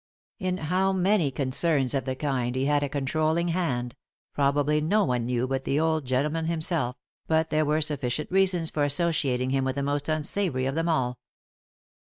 In how many concerns of the kind he had a controlling hand, probably no one knew but the old gentleman himself, but there were sufficient reasons for associating him with the most unsavoury of them all.